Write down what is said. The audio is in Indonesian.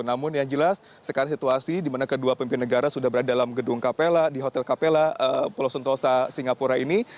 namun yang jelas sekarang situasi di mana kedua pemimpin negara sudah berada dalam gedung capella di hotel capella pulau sentosa singapura ini